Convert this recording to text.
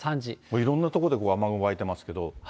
お昼、いろんなところで雨雲湧いてますけど。